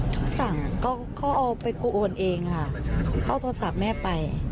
เขาสั่งเขาเอาไปกูโอนเองค่ะเขาเอาโทรศัพท์แม่ไป